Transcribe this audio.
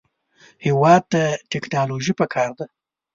هېواد ته ټیکنالوژي پکار ده